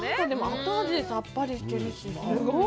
後味がさっぱりしてるし。